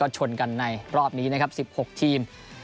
ชนกันในรอบนี้นะครับ๑๖ทีม